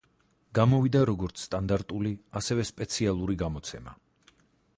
გამოვიდა როგორც სტანდარტული, ასევე სპეციალური გამოცემა.